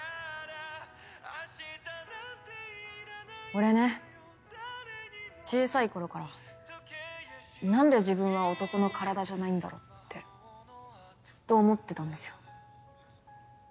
俺ね小さいころから何で自分は男の体じゃないんだろってずっと思ってたんですよ。